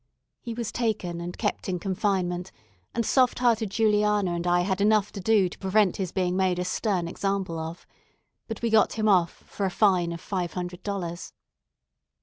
He was taken and kept in confinement; and soft hearted Juliana and I had enough to do to prevent his being made a stern example of. But we got him off for a fine of five hundred dollars.